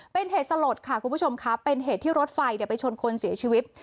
เป็นเหตุสลดค่ะคุณผู้ชมค่ะเป็นเหตุที่รถไฟไปชนคนเสียชีวิต